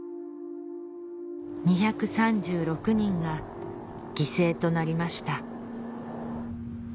２３６人が犠牲となりました